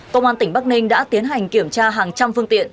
công an tỉnh bắc ninh đã tiến hành kiểm tra hàng trăm phương tiện